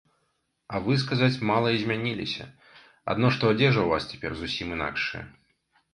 А вы, сказаць, мала і змяніліся, адно што адзежа ў вас цяпер зусім інакшая.